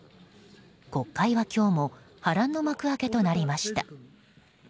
国会は今日も波乱の幕開けとなりました。